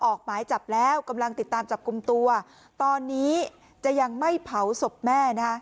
ออกหมายจับแล้วกำลังติดตามจับกลุ่มตัวตอนนี้จะยังไม่เผาศพแม่นะคะ